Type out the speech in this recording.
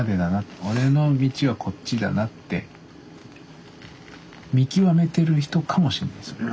俺の道はこっちだなって見極めてる人かもしんないそれは。